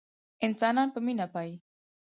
انسانان په مينه پايي